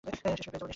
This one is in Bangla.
পেয়ে যাবো নিশ্চিত।